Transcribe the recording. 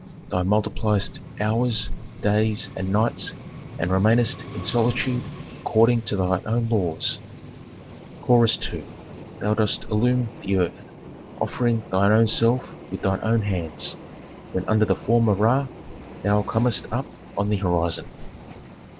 Thou multipliest hours, days, and nights, and remainest in solitude according to thy own laws." Chorus II. "Thou dost illumine the earth, offering thy own self with thy own hands, when under the form of Ra thou comest up on the horizon."